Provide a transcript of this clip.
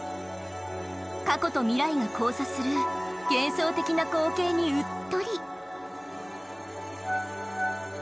過去と未来が交差する幻想的な光景にうっとり。